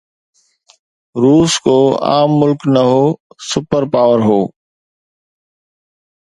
روس ڪو عام ملڪ نه هو، سپر پاور هو.